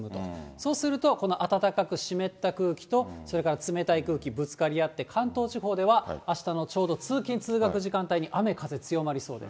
そうすると、この暖かく湿った空気と、それから冷たい空気がぶつかり合って、関東地方ではあしたのちょうど通勤・通学時間帯に雨風が強まりそうです。